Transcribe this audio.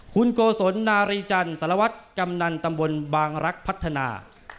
คุณโกศลนารีจันทร์สารวัตรกำนันตำบลบางรักพัฒนา